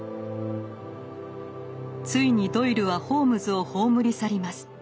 ついにドイルはホームズを葬り去ります。